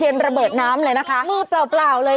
ยังอยู่มั้ย